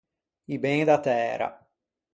I ben da tæra.